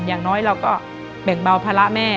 อย่างน้อยเราก็แบ่งเบาภาระแม่